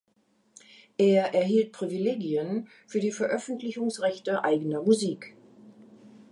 Er erhielt Privilegien für die Veröffentlichungsrechte eigener Musik.